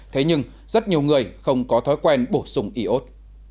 thế nhưng rất nhiều người không có thói quen bổ sung iốt